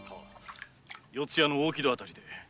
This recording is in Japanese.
四谷の大木戸辺りで。